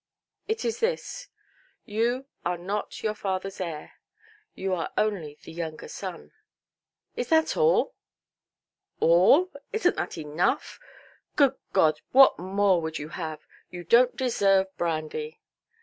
"It is this. You are not your fatherʼs heir; you are only the younger son". "Is that all"? "All! Isnʼt that enough? Good God! What more would you have?—you donʼt deserve brandy".